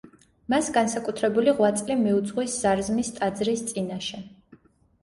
მას განსაკუთრებული ღვაწლი მიუძღვის ზარზმის ტაძრის წინაშე.